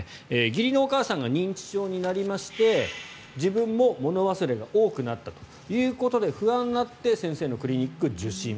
義理のお母さんが認知症になりまして自分も物忘れが多くなったということで不安になって先生のクリニックを受診。